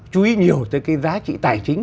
chú ý nhiều tới cái giá trị tài chính